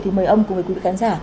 thì mời ông cùng với quý vị khán giả